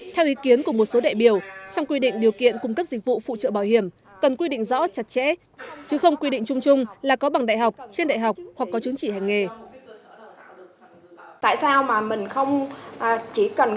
theo ý kiến của một số đại biểu trong quy định điều kiện cung cấp dịch vụ phụ trợ bảo hiểm cần quy định rõ chặt chẽ chứ không quy định chung chung là có bằng đại học trên đại học hoặc có chứng chỉ hành nghề